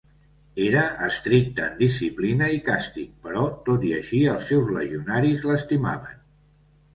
Era estricte en disciplina i càstig, però tot i així els seus legionaris l'estimaven.